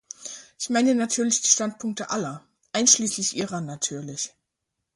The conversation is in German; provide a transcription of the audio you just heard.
Ich meine natürlich die Standpunkte aller, einschließlich Ihrer natürlich.